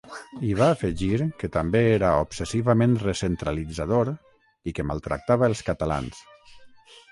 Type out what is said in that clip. I va afegir que també era ‘obsessivament recentralitzador’ i que maltractava els catalans.